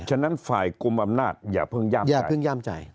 ฉะนั้นฝ่ายกุมอำนาจอย่าเพิ่งหย่ามใจ